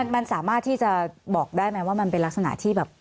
มันสามารถที่จะบอกได้ไหมว่ามันเป็นลักษณะที่แบบ